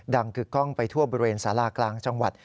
กึกกล้องไปทั่วบริเวณสารากลางจังหวัด